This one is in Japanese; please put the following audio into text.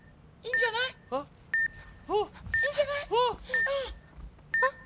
いいんじゃない？あっ。